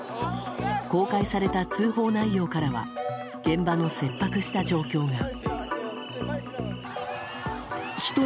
公開された通報内容からは現場の切迫した状況が。